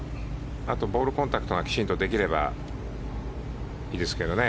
あとボールコンタクトがきちんとできればいいですけどね。